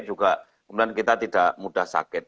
juga kemudian kita tidak mudah sakit